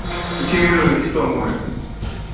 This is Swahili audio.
Tukio hilo lilishtua moyo